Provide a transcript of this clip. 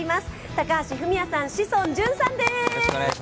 高橋文哉さん、志尊淳さんです。